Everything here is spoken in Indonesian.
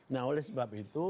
nah oleh sebab itu